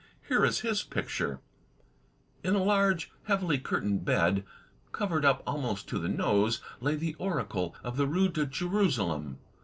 Here is his picture: In a large, heavily curtained bed, covered up almost to the nose, lay the oracle of the Rue de Jerusalem.